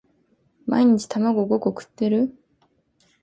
毎日卵五個食ってる？